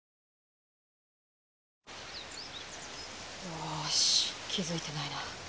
よし気付いてないな。